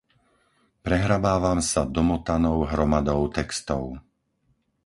Prehrabávam sa domotanou hromadou textov.